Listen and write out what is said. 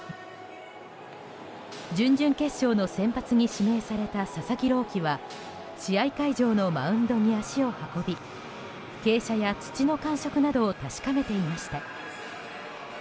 準々決勝の先発に指名された佐々木朗希は試合会場のマウンドに足を運び傾斜や土の感触などを確かめていました。